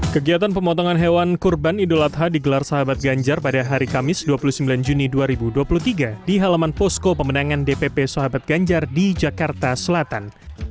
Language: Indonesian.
kegiatan pemotongan hewan kurban idul adha digelar sahabat ganjar pada hari kamis dua puluh sembilan juni dua ribu dua puluh tiga di halaman posko pemenangan dpp sahabat ganjar di jakarta selatan